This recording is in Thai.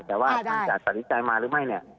แต่ว่าท่านจะตัดสินใจมาหรือไม่เนี่ย